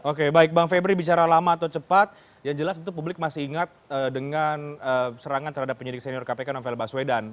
oke baik bang febri bicara lama atau cepat yang jelas tentu publik masih ingat dengan serangan terhadap penyidik senior kpk novel baswedan